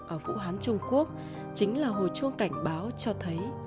ở vũ hán trung quốc chính là hồi chuông cảnh báo cho thấy